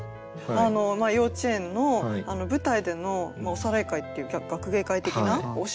幼稚園の舞台でのおさらい会っていう学芸会的なお芝居ですよね